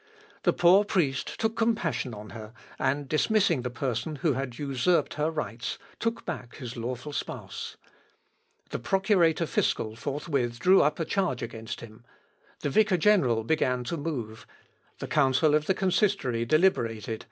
The poor priest took compassion on her, and dismissing the person who had usurped her rights, took back his lawful spouse. The procurator fiscal forthwith drew up a charge against him: the vicar general began to move; the council of the consistory deliberated